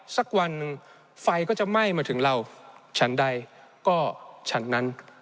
สักวันหนึ่งไฟก็จะไหม้มาถึงเราฉันใดก็ฉันนั้น